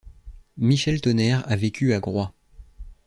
Michel Tonnerre a vécu à Groix.